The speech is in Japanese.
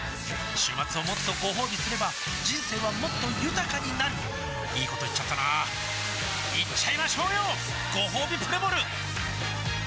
週末をもっとごほうびすれば人生はもっと豊かになるいいこと言っちゃったなーいっちゃいましょうよごほうびプレモル